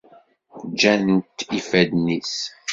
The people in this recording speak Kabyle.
Ǧǧan-t ifadden-is.